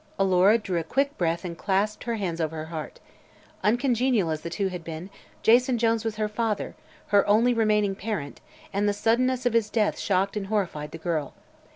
'" Alora drew a quick breath and clasped her hands over her heart. Uncongenial as the two had been, Jason Jones was her father her only remaining parent and the suddenness of his death shocked and horrified the girl.